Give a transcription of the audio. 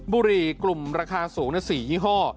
บุรีกลุ่มราคาสูง๔ยี่ห้อ